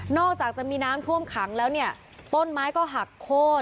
นอกจากจะมีน้ำท่วมขังแล้วต้นไม้ก็หักโคน